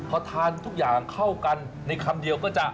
พอทานทุกอย่างเข้ากันในคำเดียวก็จะ